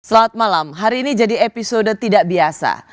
selamat malam hari ini jadi episode tidak biasa